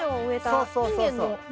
そうそうそうそう。